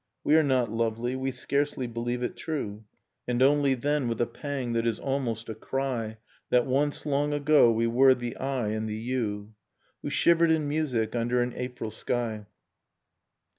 We are not lovely, we scarcely believe it true, — And only then with a pang that is almost a cry, —] That once, long ago, we were the I and the you ; Who shivered in music under an April sky.